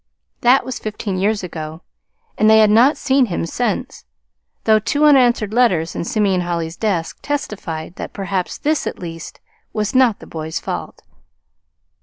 That was fifteen years ago, and they had not seen him since; though two unanswered letters in Simeon Holly's desk testified that perhaps this, at least, was not the boy's fault.